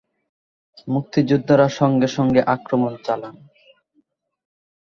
মুক্তিযোদ্ধারা সঙ্গে সঙ্গে আক্রমণ চালান।